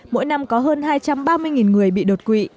mỗi năm có hơn hai trăm ba mươi người bị đột quỵ